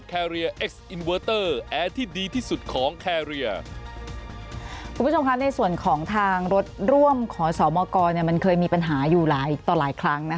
คุณผู้ชมคะในส่วนของทางรถร่วมขอสมกรเนี่ยมันเคยมีปัญหาอยู่หลายต่อหลายครั้งนะคะ